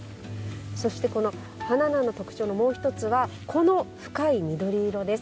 そして、花菜の特徴のもう一つは、この深い緑色です。